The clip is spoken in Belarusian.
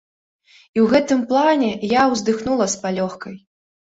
І ў гэтым плане я ўздыхнула з палёгкай.